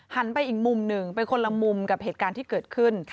ไปอีกมุมหนึ่งไปคนละมุมกับเหตุการณ์ที่เกิดขึ้น